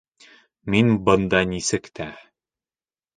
Мин бында нисек тә...